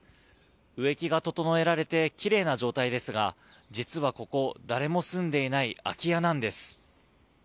植木が整えられてきれいな状態ですが実はここ誰も住んでいない空き家なんです。